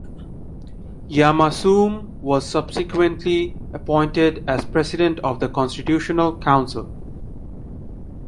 Yamassoum was subsequently appointed as President of the Constitutional Council.